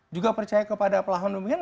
juga percaya kepada pelahuan pemberitaan